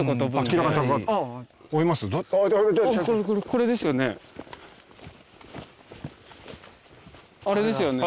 これですよね。